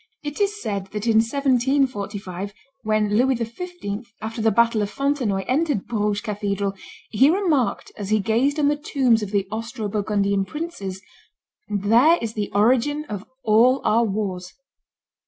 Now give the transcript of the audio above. It is said that in 1745, when Louis XV., after the battle of Fontenoy, entered Bruges cathedral, he remarked, as he gazed on the tombs of the Austro Burgundian princes, "There is the origin of all our wars."